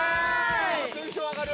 ◆テンション上がる。